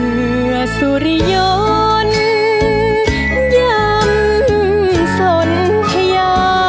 เมื่อสุริยนต์ยำสนทยา